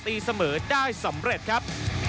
ตีเสมอได้สำเร็จครับ